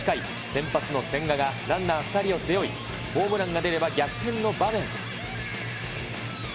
先発の千賀がランナー２人を背負い、ホームランが出れば逆転の場面。